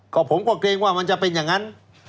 ก็ผมก็เกรงว่ามันจะเป็นอย่างนั้น